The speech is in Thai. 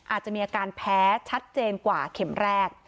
อาจจะมีอาการแพ้ชัดเจนกว่าเข็มแรก